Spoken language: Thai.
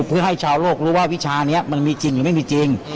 เพื่อให้ชาวโลกรู้ว่าวิชานี้มันมีจริงหรือไม่มีจริง